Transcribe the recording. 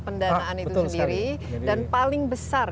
pendanaan itu sendiri dan paling besar